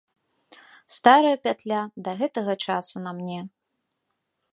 Старая пятля да гэтага часу на мне.